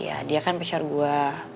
ya dia kan peser gua